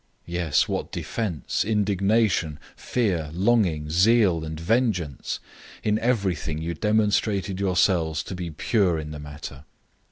Yes, what defense, indignation, fear, longing, zeal, and vengeance! In everything you demonstrated yourselves to be pure in the matter.